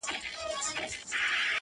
قربانو مخه دي ښه;